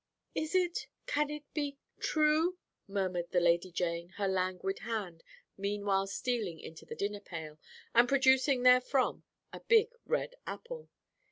"'Is it? Can it be true?' murmured the Lady Jane," her languid hand meanwhile stealing into the dinner pail, and producing therefrom a big red apple.